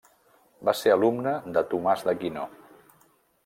Va ser alumne de Tomàs d'Aquino.